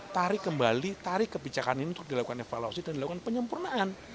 tarik kembali tarik kebijakan ini untuk dilakukan evaluasi dan dilakukan penyempurnaan